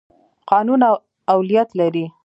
قانون اولیت لري.